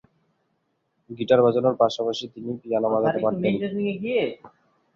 Guitar বাজানোর পাশাপাশি তিনি পিয়ানো বাজাতে পারতেন।